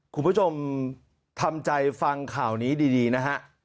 คุณผู้ชมทำใจฟังข่าวนี้ดีนะฮะ